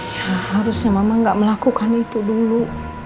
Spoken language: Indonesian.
ya harusnya mama nggak melakukan itu dulu